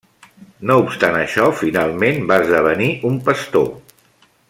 No obstant això, finalment va esdevenir un pastor.